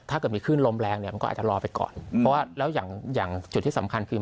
ถ้าเกิดมีคลื่นลมแรงเนี่ยก็อาจจะรอไปก่อนแล้วอย่างจุดที่สำคัญคือ